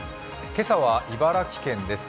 今朝は茨城県です。